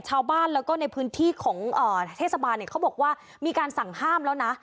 ชาวบ้านแล้วก็ในพื้นที่ของเทศบาลเนี่ยเขาบอกว่ามีการสั่งห้ามแล้วนะ